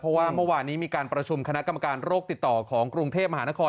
เพราะว่าเมื่อวานนี้มีการประชุมคณะกรรมการโรคติดต่อของกรุงเทพมหานคร